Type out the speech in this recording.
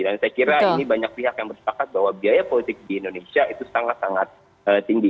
dan saya kira ini banyak pihak yang bersyakat bahwa biaya politik di indonesia itu sangat sangat tinggi